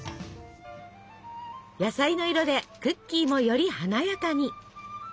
野菜の色でクッキーもより華やかに。